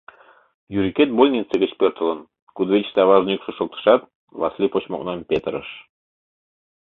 Юрикет больница гыч пӧртылын, — кудывечыште аважын йӱкшӧ шоктышат, Васлий почмо окнам петырыш.